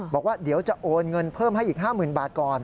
บอกว่าเดี๋ยวจะโอนเงินเพิ่มให้อีก๕๐๐๐บาทก่อน